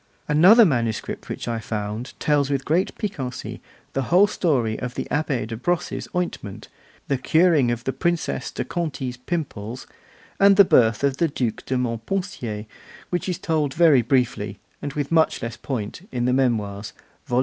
Another manuscript which I found tells with great piquancy the whole story of the Abbé de Brosses' ointment, the curing of the Princess de Conti's pimples, and the birth of the Duc de Montpensier, which is told very briefly, and with much less point, in the Memoirs (vol.